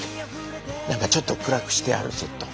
何かちょっと暗くしてあるセット。